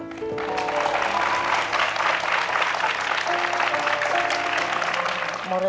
ป้าแจงสวัสดีครับ